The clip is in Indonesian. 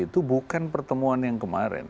itu bukan pertemuan yang kemarin